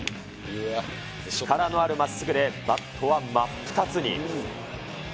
力のあるまっすぐで、バットは真っ二つに。